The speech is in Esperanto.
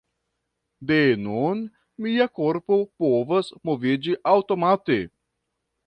De nun, mia korpo povas moviĝi aŭtomate.